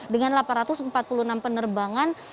dengan delapan ratus empat puluh enam penerbangan